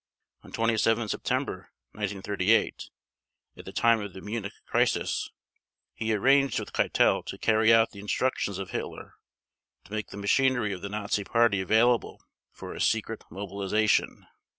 On 27 September 1938, at the time of the Munich crisis, he arranged with Keitel to carry out the instructions of Hitler to make the machinery of the Nazi Party available for a secret mobilization.